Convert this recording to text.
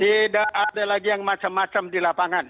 tidak ada lagi yang macam macam di lapangan